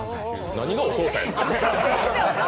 何がお父さんや。